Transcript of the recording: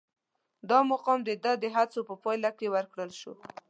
دا مقام د ده د هڅو په پایله کې ورکړل شو.